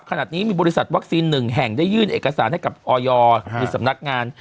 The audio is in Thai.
ขนาดนี้มีบริษัทวัคซีนหนึ่งแห่งได้ยื่นเอกสารให้กับออยมีสำนักงาน